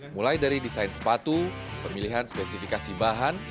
mulai dari desain sepatu pemilihan spesifikasi bahan